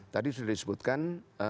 tadi sudah disebutkan